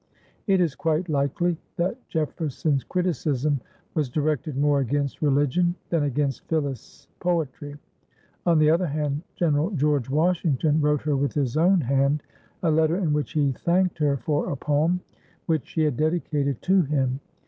It is quite likely that Jefferson's criticism was directed more against religion than against Phillis' poetry. On the other hand, General George Washington wrote her with his own hand a letter in which he thanked her for a poem which she had dedicated to him.